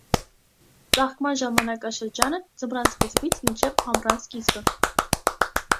Ծաղկման ժամանակաշրջանը՝ ձմռան սկզբից մինչև ամռան սկիզբը։